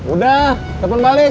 udah telepon balik